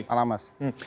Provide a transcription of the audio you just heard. selamat malam mas